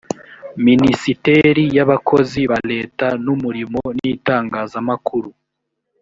minisiteri y’abakozi ba leta n’umurimo n’itangazamakuru